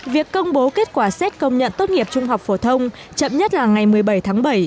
việc công bố kết quả xét công nhận tốt nghiệp trung học phổ thông chậm nhất là ngày một mươi bảy tháng bảy